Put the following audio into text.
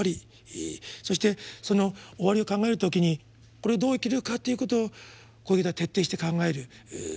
そしてその終わりを考える時にこれをどう生きるかということをコヘレトは徹底して考える。